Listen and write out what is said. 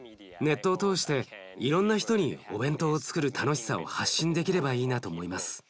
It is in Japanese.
ネットを通していろんな人にお弁当をつくる楽しさを発信できればいいなと思います。